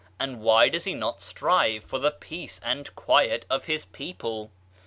And why does he not strive for the peace and quiet of his people?"